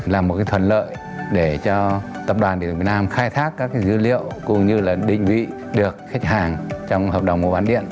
là một thuận lợi để cho tập đoàn điện lực việt nam khai thác các dữ liệu cũng như là định vị được khách hàng trong hợp đồng mua bán điện